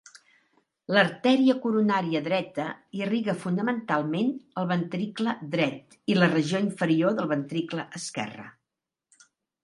L'artèria coronària dreta irriga fonamentalment el ventricle dret i la regió inferior del ventricle esquerre.